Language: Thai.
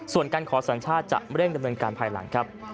ส่วนการขอสัญชาติจะเร่งดำเนินการภายหลังครับ